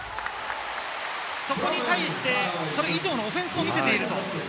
そこに対して、それ以上のオフェンスを見せていると。